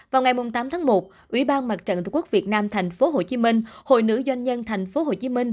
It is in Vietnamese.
vào ngày tám tháng một ủy ban mặt trận tổ quốc việt nam tp hcm hội nữ doanh nhân tp hcm